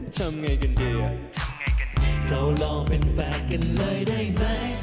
ทำไงกันดีเรารอเป็นแฟนกันเลยได้ไหม